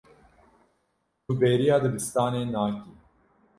Tu bêriya dibistanê nakî.